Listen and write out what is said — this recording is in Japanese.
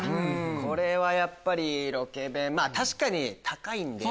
これはやっぱりロケ弁まぁ確かに高いんで。